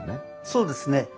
そうですね。